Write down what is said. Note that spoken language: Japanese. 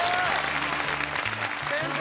先生